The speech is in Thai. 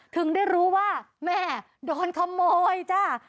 ถึงได้รู้ว่าแม่โดนขโมยจ้า